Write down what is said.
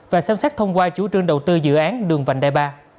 và xem xét thông qua chủ trương đầu tư dự án đường vành đai ba